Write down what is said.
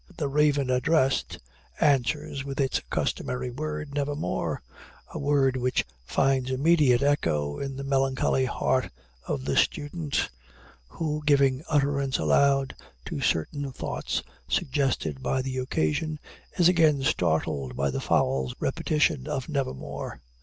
The raven addressed, answers with its customary word, "Nevermore" a word which finds immediate echo in the melancholy heart of the student, who, giving utterance aloud to certain thoughts suggested by the occasion, is again startled by the fowl's repetition of "Nevermore."